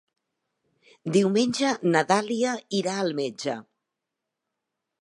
Diumenge na Dàlia irà al metge.